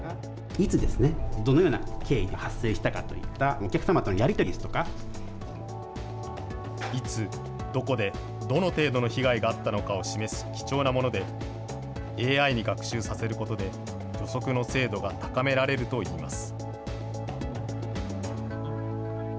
いつ、どのような経緯で発生したかといった、お客様とのやりいつ、どこで、どの程度の被害があったのかを示す貴重なもので、ＡＩに学習させることで、予測の精度が高められるといいます。